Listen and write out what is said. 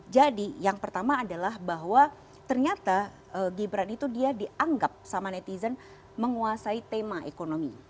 jadi yang pertama adalah bahwa ternyata gibran itu dia dianggap sama netizen menguasai tema ekonomi